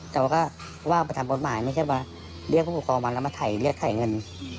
แต่ว่าผู้หมากไม่ใช่ว่าเรียกผู้ปกครองมาแล้วมาไถ่เงิน